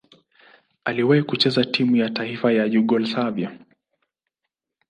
Aliwahi kucheza timu ya taifa ya Yugoslavia.